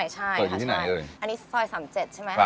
ใช่ใช่ค่ะ